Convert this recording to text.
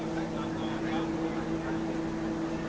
สวัสดีครับ